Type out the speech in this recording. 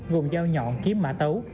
gồm dao nhọn kiếm mã tấu